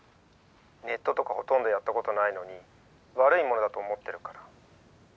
ネットとかほとんどやったことないのに悪いものだと思ってるから。